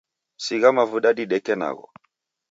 Sigha mavuda dideke nagho